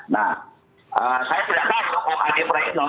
nah saya tidak tahu om adi pradit nong